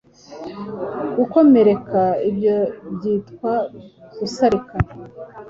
Gukomereka ibyo byitwa Gusarika